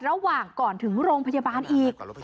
ระหว่างก่อนถึงโรงพยาบาลอีก